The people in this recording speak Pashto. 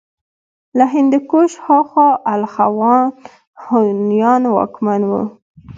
له هندوکش هاخوا الخون هونيان واکمن وو